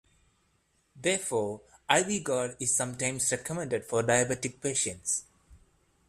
Therefore, ivy gourd is sometimes recommended for diabetic patients.